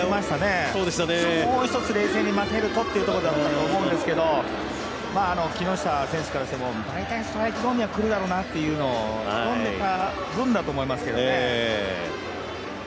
もう一つ冷静に待てるとっていうところだったと思うんですけど木下選手からしても、大体ストライクゾーンに来るだろうなということを読んでいたでしょうね。